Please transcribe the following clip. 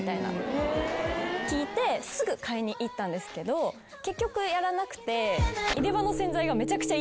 聞いてすぐ買いに行ったんですけど結局やらなくて。